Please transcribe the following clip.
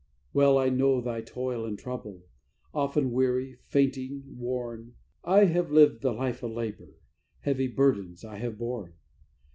"Well I know thy toil and trouble; often weary, fainting, worn, I have lived the life of labour, heavy burdens I have borne.